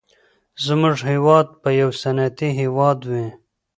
زموږ هېواد به يو صنعتي هېواد وي.